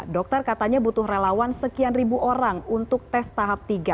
dokter katanya butuh relawan sekian ribu orang untuk tes tahap tiga